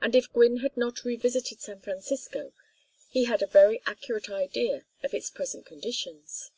And if Gwynne had not revisited San Francisco he had a very accurate idea of its present conditions.